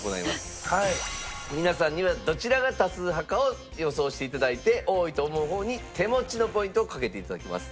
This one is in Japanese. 皆さんにはどちらが多数派かを予想して頂いて多いと思う方に手持ちのポイントをかけて頂きます。